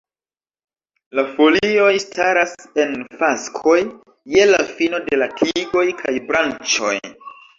La folioj staras en faskoj je la fino de la tigoj kaj branĉoj.